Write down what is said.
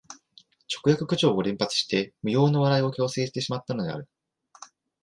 直訳口調を連発して無用の笑いを強制してしまったのである